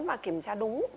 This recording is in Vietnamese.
mà kiểm tra đúng